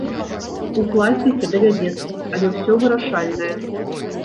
Укласціся давядзецца, але ўсё вырашальнае.